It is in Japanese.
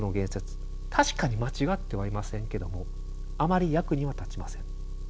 確かに間違ってはいませんけどもあまり役には立ちません。